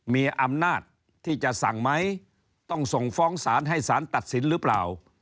มีอำนาจที่จะสั่งไหมต้องส่งฟ้องศาลให้สารตัดสินหรือเปล่า